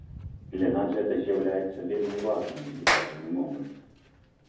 Для нас гэта з'яўляецца вельмі важным у дадзены момант.